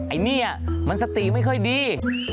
ไอ้เนี่ยมันสติไม่ค่อยดี